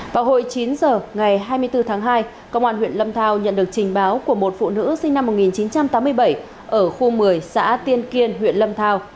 vào hồi chín giờ ngày hai mươi bốn tháng hai công an huyện lâm thao nhận được trình báo của một phụ nữ sinh năm một nghìn chín trăm tám mươi bảy ở khu một mươi xã tiên kiên huyện lâm thao